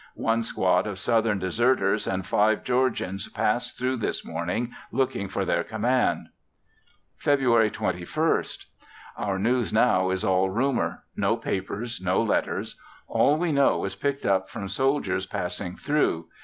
One squad of Southern deserters and five Georgians passed through this morning looking for their command. February 21st. Our news now is all rumor; no papers; no letters. All we know is picked up from soldiers passing through.